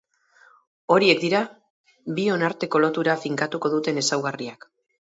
Horiek dira bion arteko lotura finkatuko duten ezaugarriak.